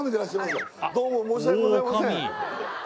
どうも申し訳ございません